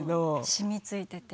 染みついていて。